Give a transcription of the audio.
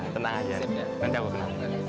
tenang aja nanti aku kenalin